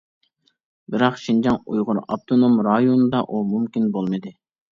بىراق شىنجاڭ ئۇيغۇر ئاپتونوم رايونىدا ئۇ مۇمكىن بولمىدى.